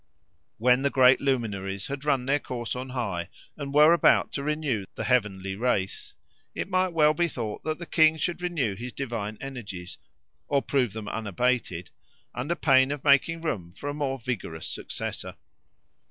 When the great luminaries had run their course on high, and were about to renew the heavenly race, it might well be thought that the king should renew his divine energies, or prove them unabated, under pain of making room for a more vigorous successor.